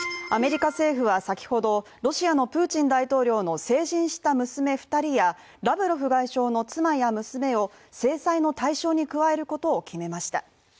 アメリカ政府は先ほどロシアのプーチン大統領の成人した娘２人や、ラブロフ外相の妻や娘を制裁の対象に加えることを決めました。